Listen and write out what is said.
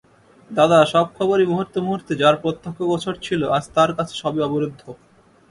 দাদার সব খবরই মুহূর্তে মুহূর্তে যার প্রত্যক্ষগোচর ছিল, আজ তার কাছে সবই অবরুদ্ধ।